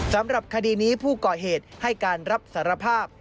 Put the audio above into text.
สำหรับคดีนี้ผู้ก่อเหตุให้การรับสารภาพ